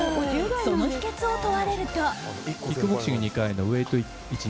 その秘訣を問われると。